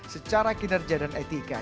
secara kinerja dan etika